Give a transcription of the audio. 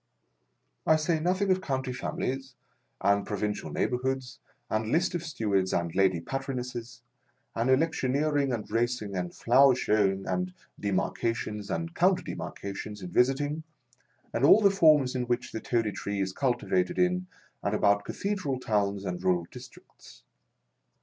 I say nothing of County families, and pro vincial neighbourhoods, and lists of Stewards and Lady Patronesses, and electioneering, and racing, and flower showing, and demarca tions and counter demarcations in visiting, and all the forms in which the Toady Tree is cultivated in and about cathedral towns and rural districts.